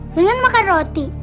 jangan makan roti